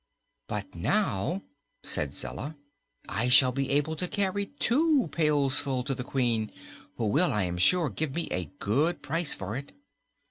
"But now," said Zella, "I shall be able to carry two pailsful to the Queen, who will, I am sure, give me a good price for it."